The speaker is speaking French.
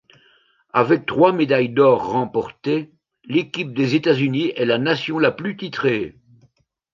Avec trois médailles d'or remportées, l'équipe des États-Unis est la nation la plus titrée.